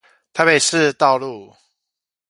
台北市道路